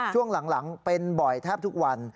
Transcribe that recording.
ช่วงหลังเป็นบ่อยแทบทุกวัน